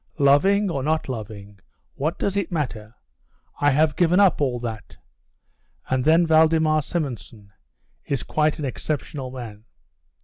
"Loving or not loving, what does it matter? I have given up all that. And then Valdemar Simonson is quite an exceptional man."